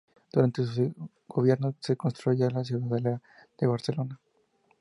Durante su gobierno se construyó la Ciudadela de Barcelona.